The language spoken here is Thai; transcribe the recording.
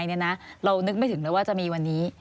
เรานึกไม่ถึงเลยว่าจะมีวันนี้